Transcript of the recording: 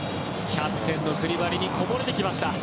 キャプテンのクリバリにこぼれてきました。